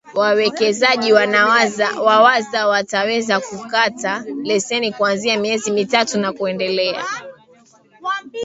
Wawekezaji wazawa wataweza kukata Leseni kuanzia miezi mitatu na kuendelea